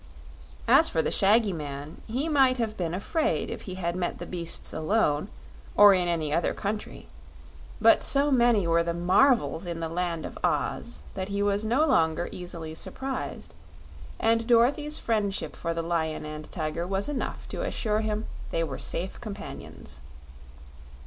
As for the shaggy man, he might have been afraid if he had met the beasts alone, or in any other country, but so many were the marvels in; the Land of Oz that he was no longer easily surprised, and Dorothy's friendship for the Lion and Tiger was enough to assure him they were safe companions.